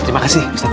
terima kasih ustadz